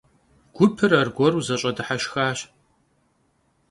Гупыр аргуэру зэщӀэдыхьэшхащ.